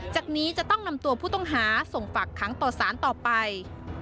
จากนี้จะต้องนำตัวผู้ต้องหาส่งฝากค้างต่อสารต่อไป